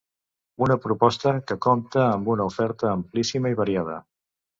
Una proposta que compta amb una oferta amplíssima i variada.